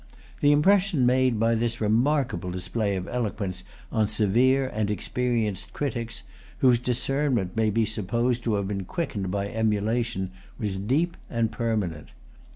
The impression made by this remarkable display of eloquence on severe and experienced critics, whose discernment may be supposed to have been quickened by emulation, was deep and permanent.